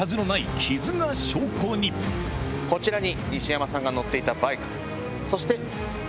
こちらに。